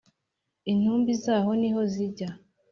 intumbi zaho ni ho zijya